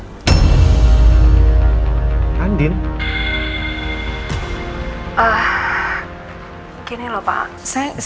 dan elsa bilang kalau ini ada hubungannya sama andin pak